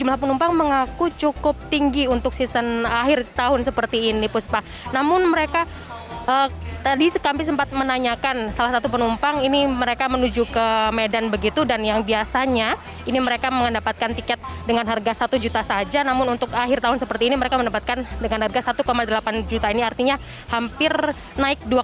apakah ada kenaikan yang cukup signifikan kemudian dikeluhkan oleh para penumpang di bandara soekarno hatta